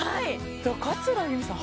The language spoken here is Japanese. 桂由美さん